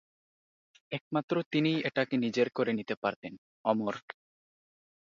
একমাত্র তিনিই এটাকে নিজের করে নিতে পারতেন, অমর।